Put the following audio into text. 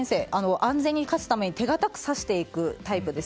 安全に勝つために手堅く指すタイプです。